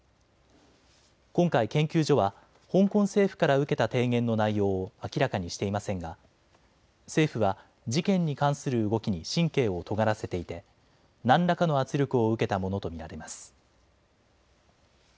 今回、研究所は香港政府から受けた提言の内容を明らかにしていませんが政府は事件に関する動きに神経をとがらせていて何らかの圧力を受けたものと見られます。